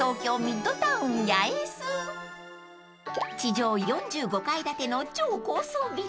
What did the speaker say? ［地上４５階建ての超高層ビル］